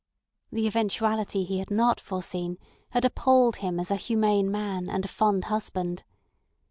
The eventuality he had not foreseen had appalled him as a humane man and a fond husband.